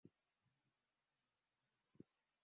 nrm mamlakani sijui hayo madai yapo ama namna jani